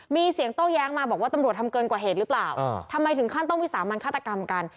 มีเสียงโต้แย้งมาบอกว่าตำรวจทำเกินกว่าเหตุหรือเปล่าทำไมถึงขั้นต้องวิสามันฆาตกรรมกัน